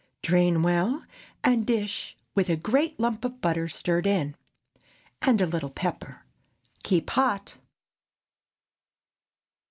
Drain well, and dish, with a great lump of butter stirred in, and a little pepper. Keep hot.